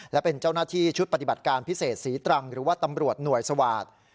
และเป็นเจ้าหน้าที่ชุดปฏิบัติการพิเศษศรีตรังหรือว่าตำรวจหน่วยสวาสตร์